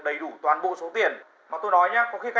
điều đó suốt từ sáng rồi